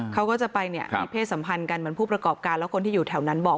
เขาก็จะไปเนี่ยมีเพศสัมพันธ์กันเหมือนผู้ประกอบการแล้วคนที่อยู่แถวนั้นบอก